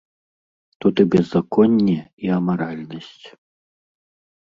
Тут і беззаконне, і амаральнасць.